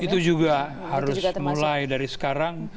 itu juga harus mulai dari sekarang